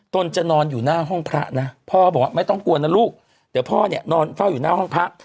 นจะนอนอยู่หน้าห้องพระนะพ่อบอกว่าไม่ต้องกลัวนะลูกเดี๋ยวพ่อเนี่ยนอนเฝ้าอยู่หน้าห้องพระ